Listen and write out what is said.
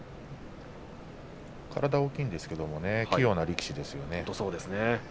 体は大きいんですけれどもね、器用な力士ですよね。